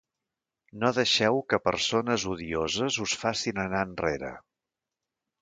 No deixeu que persones odioses us facin anar enrere.